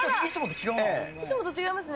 いつもと違いますね。